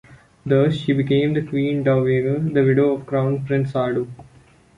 Thus, she became the Queen Dowager, the widow of Crown Prince Sado.